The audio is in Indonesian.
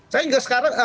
saya juga sekali